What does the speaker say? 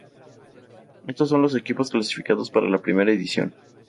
Estos son los equipos clasificados para la primera edición.